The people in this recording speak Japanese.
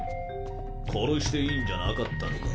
殺していいんじゃなかったのか？